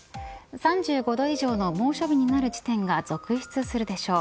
３５度以上の猛暑日になる地点が続出するでしょう。